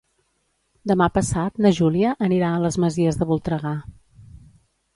Demà passat na Júlia anirà a les Masies de Voltregà.